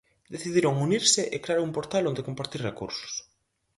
Decidiron unirse e crear un portal onde compartir recursos.